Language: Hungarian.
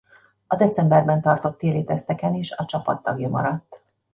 A decemberben tartott téli teszteken is a csapat tagja maradt.